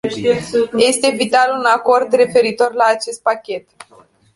Este vital un acord referitor la acest pachet.